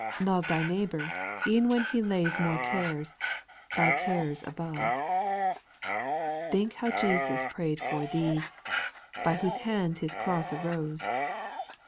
Love thy neighbour, e'en when he Lays more cares, thy care above. Think how Jesus prayed for those, By whose hands His cross arose.